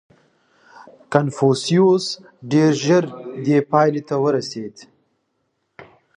• کنفوسیوس ډېر ژر دې پایلې ته ورسېد.